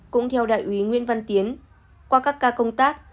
cũng theo đại úy nguyễn văn tiến qua các ca công tác